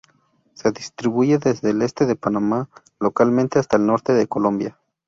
Se distribuye desde el este de Panamá, localmente hasta el norte de Colombia.